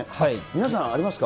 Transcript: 皆さん、ありますか？